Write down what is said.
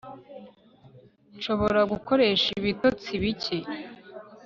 Nshobora gukoresha ibitotsi bike